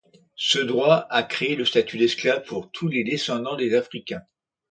Ce droit a créé le statut d’esclave pour tous les descendants des Africains.